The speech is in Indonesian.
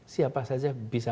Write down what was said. siapa saja bisa